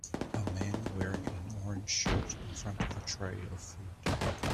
A man wearing an orange shirt in front of a tray of food.